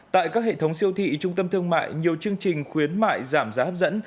tại các hệ thống siêu thị trung tâm thương mại nhiều chương trình khuyến mại giảm giá hấp dẫn